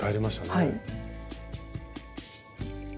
はい。